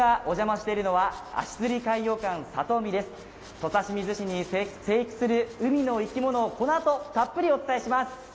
土佐清水市に生育する海の生き物をこのあとたっぷりお伝えします。